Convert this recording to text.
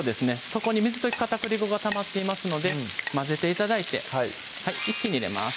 底に水溶き片栗粉がたまっていますので混ぜて頂いて一気に入れます